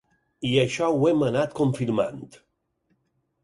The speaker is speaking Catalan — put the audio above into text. I això ho hem anat confirmant.